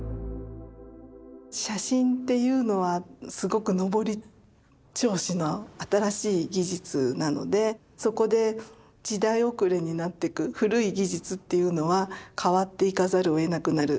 写真っていうのはすごく上り調子の新しい技術なのでそこで時代遅れになってく古い技術っていうのは変わっていかざるをえなくなる。